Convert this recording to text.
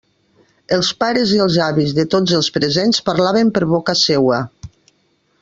Els pares i els avis de tots els presents parlaven per boca seua.